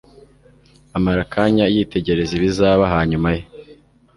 Amara akanya yitegereza ibizaba hanyuma ye,